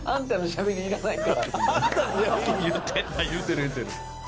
言うてた言うてる言うてる。